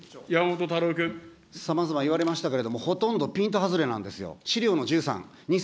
さまざまいわれましたけれども、ほとんどピント外れなんですよ。